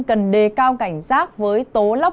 cần đề cao cảnh giác với tố lóc